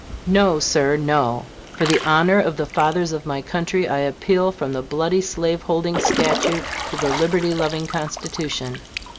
No, Sir! no! for the honor of the fathers of my country, I appeal from the bloody slaveholding statute to the liberty loving Constitution.